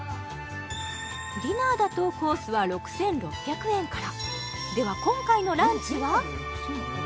ディナーだとコースは６６００円からでは今回のランチは？